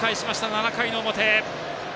７回の表。